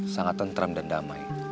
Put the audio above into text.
sangat tentram dan damai